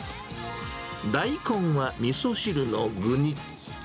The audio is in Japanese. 大根はみそ汁の具に。